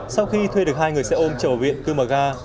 sau khi thuê được hai người xe ôm trở vào huyện cư mở ga